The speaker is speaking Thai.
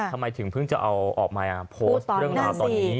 ทำไมถึงเพิ่งจะเอาออกมาโพสต์เรื่องราวตอนนี้